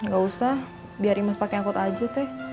gak usah biar imes pakai angkot aja teh